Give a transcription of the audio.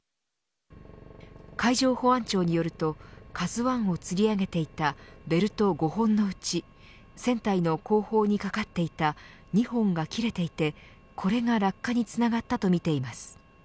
海上保安庁によるとＫＡＺＵ１をつり上げていたベルト５本のうち船体の後方にかかっていた２本が切れていてこれが落下につながったとみています。